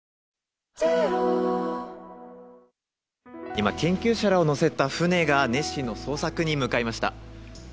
今、研究者らを乗せた船がネッシーの捜索に向かいました。